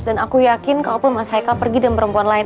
dan aku yakin kalau pun mas haikal pergi dengan perempuan lain